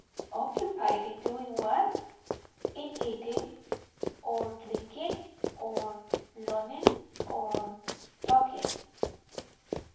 'Occupied in doing what?' 'In eating, or dlinking, or lunning, or talking.'